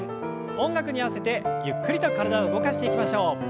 音楽に合わせてゆっくりと体を動かしていきましょう。